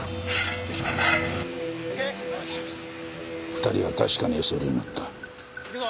２人は確かにＳＬに乗った。